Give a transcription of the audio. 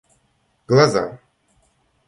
глаза